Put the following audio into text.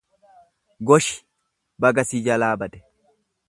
Goshi, baga si jalaa bade.